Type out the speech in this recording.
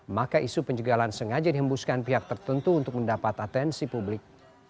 maka isu penjagalan sengaja dihembuskan pihak tertentu untuk mendapat atensi publik